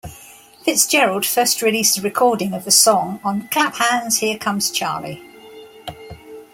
Fitzgerald first released a recording of the song on Clap Hands, Here Comes Charlie!